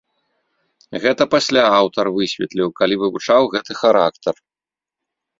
Гэта пасля аўтар высветліў, калі вывучаў гэты характар.